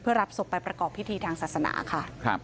รับศพไปประกอบพิธีทางศาสนาค่ะ